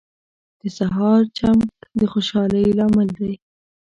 • د سهار چمک د خوشحالۍ لامل دی.